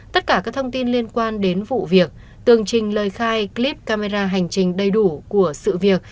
tất cả các thông tin liên quan đến vụ việc tường trình lời khai clip camera hành trình đầy đủ của sự việc